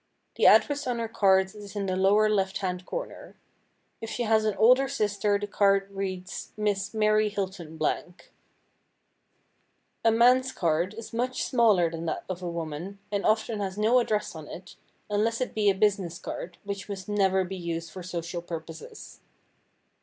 The address on her cards is in the lower left hand corner. If she has an older sister the card reads "Miss Mary Hilton Blank." A man's card is much smaller than that of a woman and often has no address on it, unless it be a business card, which must never be used for social purposes.